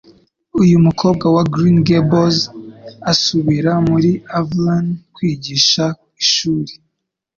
uyu mukobwa "wa Green Gables" asubira muri Avonleakwigisha ishuri